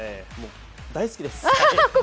大好きです。